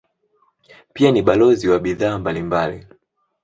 Pia ni balozi wa bidhaa mbalimbali.